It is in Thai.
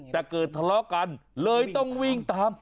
แต่เกิดทะเลาะกันเลยต้องวิ่งตาม